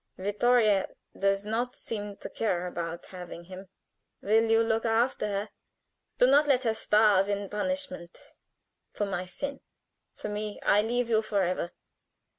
Vittoria does not seem to care about having him. Will you look after her? Do not let her starve in punishment for my sin. For me I leave you forever.